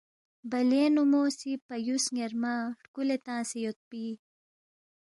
بلینگ نُو مو سی َپَیُو سن٘یرمہ ہرکُولے تنگسے یودپی